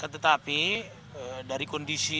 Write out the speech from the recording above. tetapi dari kondisi